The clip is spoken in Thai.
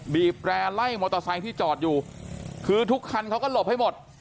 บีบแร่ไล่มอเตอร์ไซค์ที่จอดอยู่คือทุกคันเขาก็หลบให้หมด